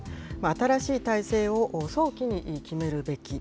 新しい体制を早期に決めるべき。